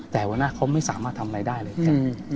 แต่วันหน้าเขาไม่สามารถทำอะไรได้เลยแค่